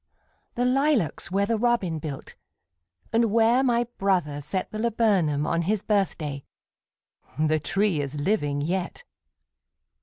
The lilacs where the robin built, And where my brother set The laburnum on his birthday, The tree is living yet!